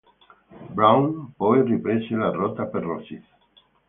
Brown, poi riprese la rotta per Rosyth.